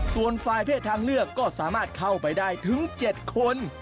ส่วนฝ่ายเพศทางเลือกก็สามารถเข้าไปได้ถึง๗คน